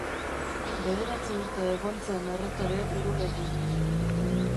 Bederatzi urte egon zen erretore Irulegin.